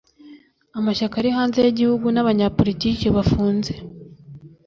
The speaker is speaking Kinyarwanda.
Amashyaka ari hanze y’igihugu n’abanyapolitiki bafunze